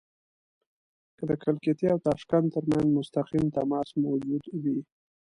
که د کلکتې او تاشکند ترمنځ مستقیم تماس موجود وي.